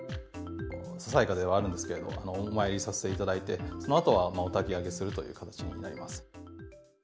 ささやかではあるんですけれども、お参りさせていただいて、そのあとはおたき上げするという形になります。